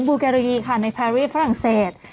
ูแกโรยีค่ะในแพรรี่ฝรั่งเศส